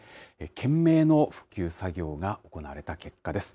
懸命の復旧作業が行われた結果です。